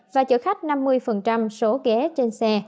và chở khách năm mươi số ghé trên xe